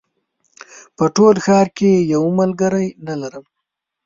په ټول ښار کې یو ملګری نه لرم